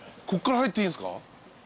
こっから入っていいんすか？